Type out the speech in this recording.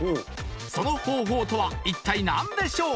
その方法とは一体何でしょう？